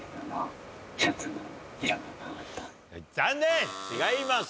残念違います！